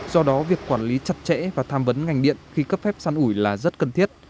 do đó việc quản lý chặt chẽ và tham vấn ngành điện khi cấp phép săn ủi là rất cần thiết